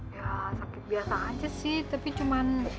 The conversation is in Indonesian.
ya sakit biasa aja sih tapi cuma